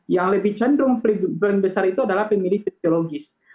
yang lebih cendung paling besar itu adalah pemilih psikologis